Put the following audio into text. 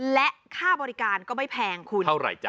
และค่าบริการก็ไม่แพงคุณเท่าไหร่จ้